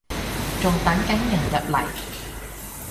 仲等緊人入嚟